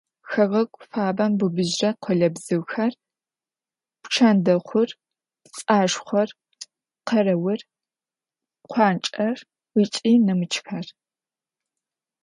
Хэгъэгу фабэм быбыжьрэ къолэбзыухэр: пчэндэхъур, пцӏашхъор, къэрэур, къуанчӏэр ыкӏи нэмыкӏхэр.